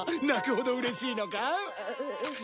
泣くほどうれしいのか？